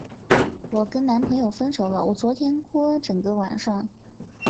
我跟男朋友分手了，我昨天哭了整个晚上。